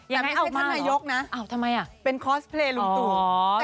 ยังให้ออกมาเหรออ้าวทำไมล่ะเป็นคอสเพลย์ลุงตู่